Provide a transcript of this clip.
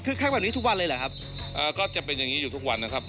คือใครแบบนี้ทุกวันเลยเหรอครับก็จะเป็นอย่างนี้อยู่ทุกวันนะครับ